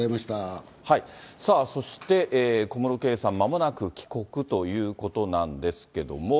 さあそして、小室圭さん、まもなく帰国ということなんですけども。